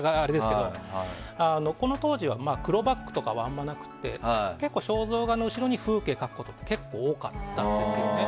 この当時は黒バックとかはあまりなくて結構、肖像画の後ろに風景を描くことが結構多かったんですよね。